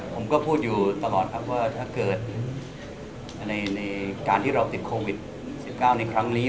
ผมก็พูดอยู่ตลอดครับว่าถ้าเกิดในการที่เราติดโควิด๑๙ในครั้งนี้